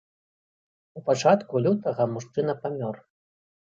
У пачатку лютага мужчына памёр.